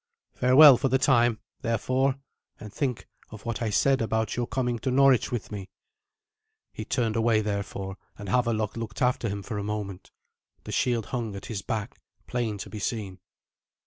Farewell for the time, therefore, and think of what I said about your coming to Norwich with me." He turned away therefore, and Havelok looked after him for a moment. The shield hung at his back, plain to be seen.